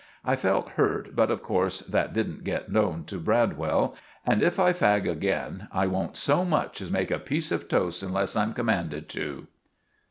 I felt hert, but, of corse, that didn't get known to Bradwell; and if I fag again, I wont so much as make a peece of toste unless I'm commanded to.